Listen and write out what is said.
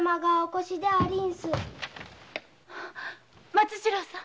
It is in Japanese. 松次郎さん！